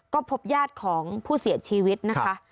ก็พบญาติของผู้เสียชีวิตนะคะ